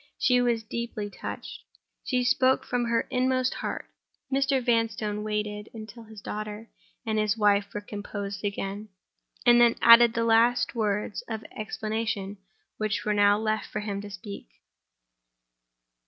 She was deeply touched—she spoke from her inmost heart. Mr. Vanstone waited until his daughter and his wife were composed again; and then added the last words of explanation which were now left for him to speak.